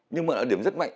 nhưng mà nó điểm rất mạnh